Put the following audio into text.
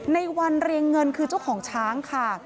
ในวันเรียงเงินคือเจ้าของช้างค่ะ